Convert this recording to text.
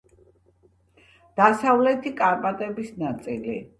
დასავლეთი კარპატების ნაწილი.